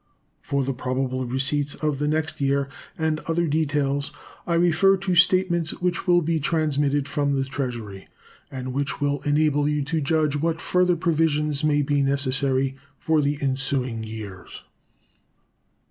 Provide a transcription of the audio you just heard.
For the probable receipts of the next year and other details I refer to statements which will be transmitted from the Treasury, and which will enable you to judge what further provisions may be necessary for the ensuing years.